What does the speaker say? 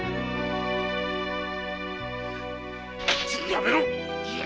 やめろ！